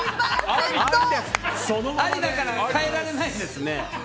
ありだから変えられないですね。